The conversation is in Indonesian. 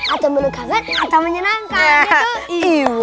atau menegangkan atau menyenangkan gitu